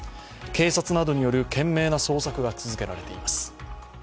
警察などによる懸命な捜索が続けられています。